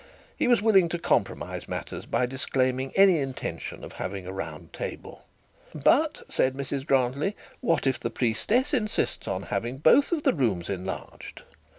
He was willing to compromise matters by disclaiming any intention of having a round table. 'But,' said Mrs Grantly, 'what if the priestess insists on have both the rooms enlarged?'